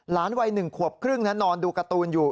หลานวัยหนึ่งขวบครึ่งนั้นนอนดูการ์ตูนอยู่